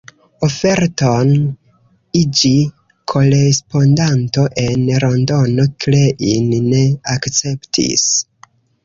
Oferton iĝi korespondanto en Londono Klein ne akceptis.